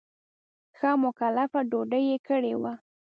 ښه مکلفه ډوډۍ یې کړې وه.